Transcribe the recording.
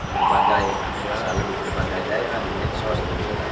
berbagai selalu berbagai ya ya ada insos bisa saja